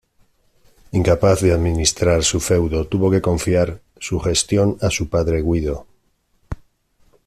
Incapaz de administrar su feudo, tuvo que confiar su gestión a su padre Guido.